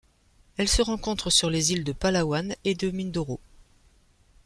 Elle se rencontre sur les îles de Palawan et de Mindoro.